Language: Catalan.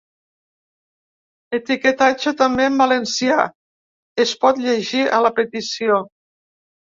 Etiquetatge també en valencià!, es pot llegir a la petició.